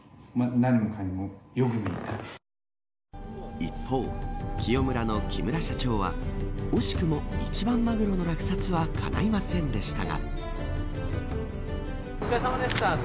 一方、喜代村の木村社長は惜しくも一番マグロの落札はかないませんでしたが。